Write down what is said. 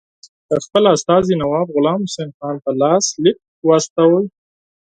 د خپل استازي نواب غلام حسین خان په لاس لیک واستاوه.